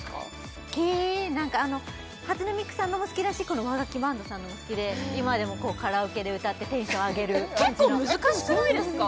好き何かあの初音ミクさんのも好きだしこの和楽器バンドさんのも好きで今でもカラオケで歌ってテンション上げる結構難しくないですか？